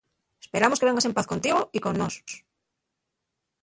Esperamos que vengas en paz contigo y con nós.